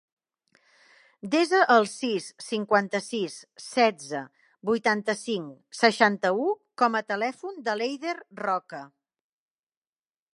Desa el sis, cinquanta-sis, setze, vuitanta-cinc, seixanta-u com a telèfon de l'Eider Roca.